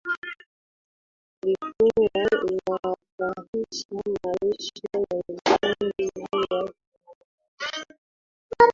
ilikuwa inahatarisha maisha ya vikundi vya kimataifa